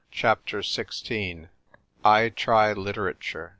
UHAPTER XVI. I TRY LITERATURE.